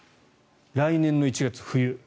来年１月、冬。